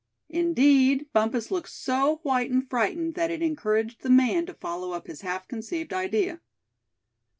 Indeed, Bumpus looked so white and frightened that it encouraged the man to follow up his half conceived idea.